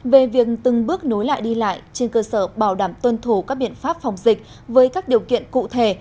về việc từng bước nối lại đi lại trên cơ sở bảo đảm tuân thủ các biện pháp phòng dịch với các điều kiện cụ thể